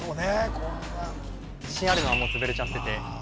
こんな自信あるのはもう潰れちゃっててああ